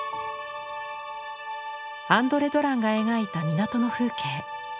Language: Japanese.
アンドレ・ドランが描いた港の風景。